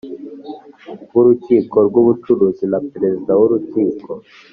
w Urukiko rw Ubucuruzi na Perezida w Urukiko